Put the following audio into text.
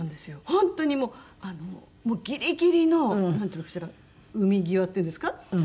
本当にもうあのギリギリのなんていうのかしら海際っていうんですか？